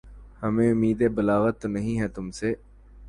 ہمیں اُمیدِ بلاغت تو نہیں ہے تُم سے